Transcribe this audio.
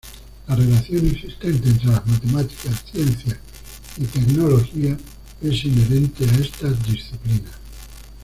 La relación existente entre las Matemáticas, Ciencia y Tecnología es inherente a estas disciplinas.